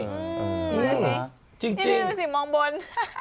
อืมจริงนี่ดูสิมองบน